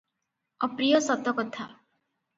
ଅପ୍ରିୟ ସତ କଥା ।